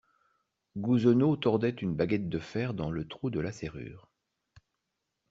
Gousenot tordait une baguette de fer dans le trou de la serrure.